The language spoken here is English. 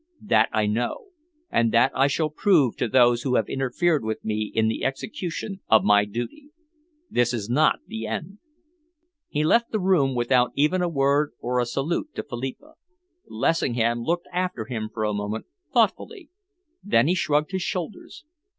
That I know, and that I shall prove to those who have interfered with me in the execution of my duty. This is not the end." He left the room without even a word or a salute to Philippa. Lessingham looked after him for a moment, thoughtfully. Then he shrugged his shoulders.